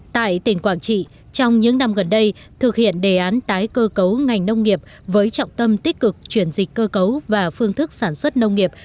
tại tỉnh quảng trị trong những năm gần đây thực hiện đề án tái cơ cấu ngành nông nghiệp với trọng tâm tích cực chuyển dịch cơ cấu và phương thức sản xuất nông nghiệp